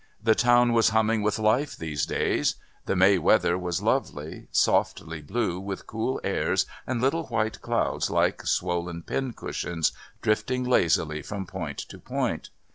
The town was humming with life those days. The May weather was lovely, softly blue with cool airs and little white clouds like swollen pin cushions drifting lazily from point to point.